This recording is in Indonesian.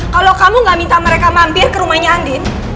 kalau kamu gak minta mereka mampir ke rumahnya andin